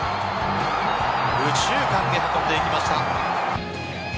右中間へと運んでいきました。